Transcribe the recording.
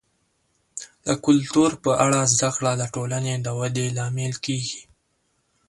د کلتور په اړه زده کړه د ټولنې د ودي لامل کیږي.